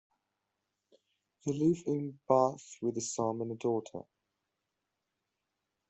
They live in Bath with a son and daughter.